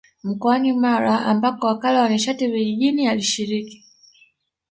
Mkoani Mara ambako Wakala wa Nishati Vijijini alishiriki